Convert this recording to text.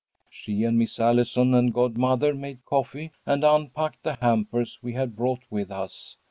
She and Miss Allison and godmother made coffee and unpacked the hampers we had brought with us.